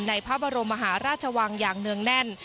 พระบรมมหาราชวังอย่างเนื่องแน่น